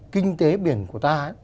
kinh tế biển của ta